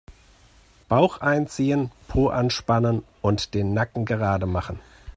Bauch einziehen, Po anspannen und den Nacken gerade machen.